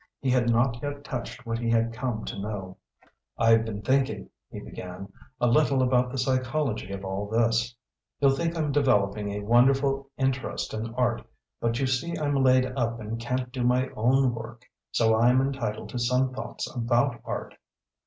He had not yet touched what he had come to know. "I have been thinking," he began, "a little about the psychology of all this. You'll think I'm developing a wonderful interest in art, but you see I'm laid up and can't do my own work, so I'm entitled to some thoughts about art.